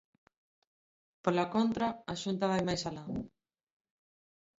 Pola contra, a Xunta vai máis alá.